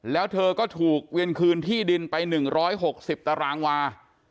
แล้วเธอก็ถูกเวียนคืนที่ดินไป๑๖๐ตารางวา